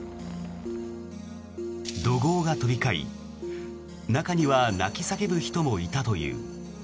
怒号が飛び交い中には泣き叫ぶ人もいたという。